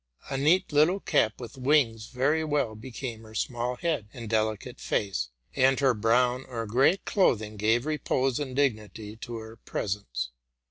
<A neat little cap with wings very well became her small head and delicate face, and her brown or gray clothing gave repose and dignity to her presence.